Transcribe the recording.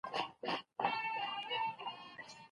دغه نرمغالی چي تاسي کاروئ، ډېر پخوانی دی.